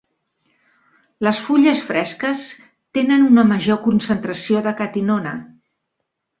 Les fulles fresques tenen una major concentració de catinona.